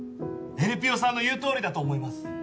さんの言うとおりだと思います